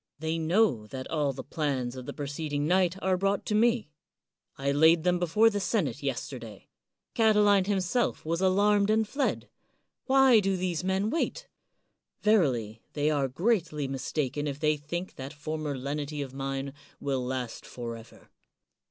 ' They know that all the plans of the preceding night are brought to me. I laid them before the senate yesterday, Catiline him self was alarmed and fled. Why do these men 116 CICERO wait ? Verily, they are greatly mistaken if they think that former lenity of mine will last forever.